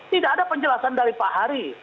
tidak ada penjelasan dari pak hari